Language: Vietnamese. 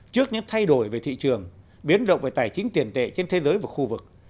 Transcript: trước những thay đổi về thị trường biến động về tài chính tiền tệ trên thế giới và khu vực